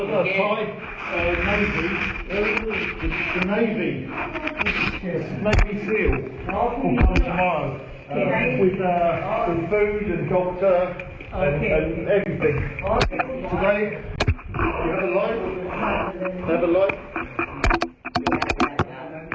เหมือนมันสวย